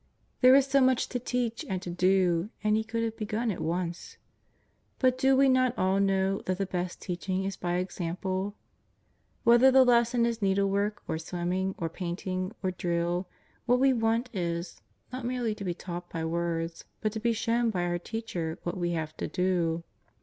There was so much to teach and to do, and He could have begun at once. But do we not all know that the best teaching is by example? Whether the lesson is needlework, or swimming, or painting, or drill, what we want is, not merely to be taught by words, but to be shown by our teacher what we have to do.